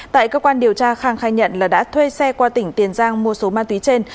tại cơ quan điều tra khang khai nhận là đã thuê xe qua tỉnh tiền giang mua số ma túy trên